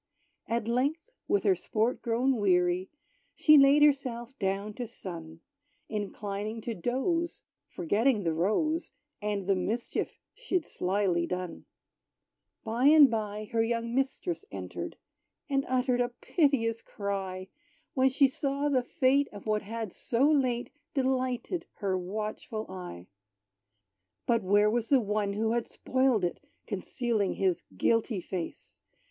At length, with her sport grown weary, She laid herself down to sun, Inclining to doze, forgetting the rose, And the mischief she'd slily done. By and by her young mistress entered, And uttered a piteous cry, When she saw the fate of what had so late Delighted her watchful eye. But, where was the one who had spoiled it Concealing his guilty face?